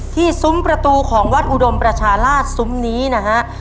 ซุ้มประตูของวัดอุดมประชาราชซุ้มนี้นะฮะ